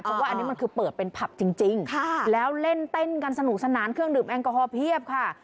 เพราะว่าอันนี้มันคือเปิดเป็นผับจริงแล้วเล่นเต้นกันสนุกสนานเครื่องดื่มแอลกอฮอลเพียบค่ะ